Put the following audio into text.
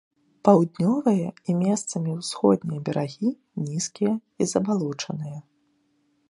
Паўднёвыя і месцамі ўсходнія берагі нізкія і забалочаныя.